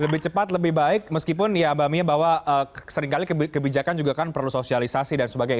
lebih cepat lebih baik meskipun ya mbak mia bahwa seringkali kebijakan juga kan perlu sosialisasi dan sebagainya